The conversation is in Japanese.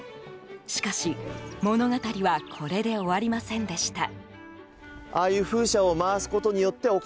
しかし、物語はこれで終わりませんでした。